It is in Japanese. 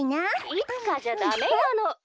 「いつかじゃダメなの。